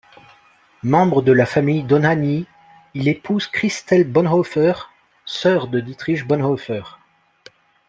Membre de la famille Dohnányi, il épouse Christel Bonhoeffer, sœur de Dietrich Bonhoeffer.